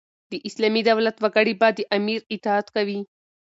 د اسلامي دولت وګړي به د امیر اطاعت کوي.